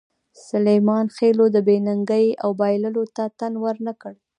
سلیمان خېلو د بې ننګۍ او بایللو ته تن ور نه کړ.